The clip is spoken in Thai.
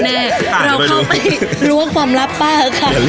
เราก็ไปล้วงความลับป้าค่ะ